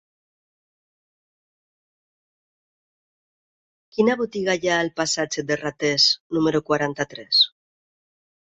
Quina botiga hi ha al passatge de Ratés número quaranta-tres?